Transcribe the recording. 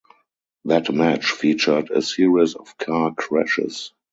That match featured "a series of car crashes".